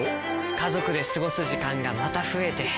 家族で過ごす時間がまた増えて。